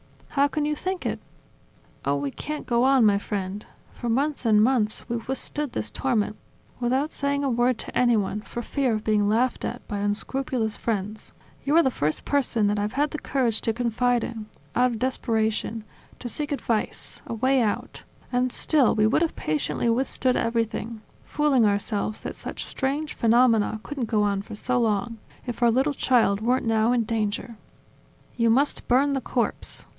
... How can you think it? ..." Oh! We can't go on, my friend. For months and months we've withstood this torment, without saying a word to anyone for fear of being laughed at by unscrupulous friends ... You're the first person that I've had the courage to confide in, out of desperation, to seek advice, a way out. .. And still we would have patiently withstood everything, fooling ourselves that such strange phenomena couldn't go on for so long, if our little child weren't now in danger." "You must burn the corpse.